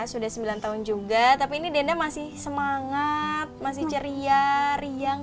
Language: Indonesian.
sudah sembilan tahun juga tapi ini denda masih semangat masih ceria riang